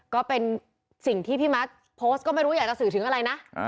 ก็เป็นสิ่งที่พี่มัสโพสต์ก็ไม่รู้อยากจะสื่อถึงอะไรนะ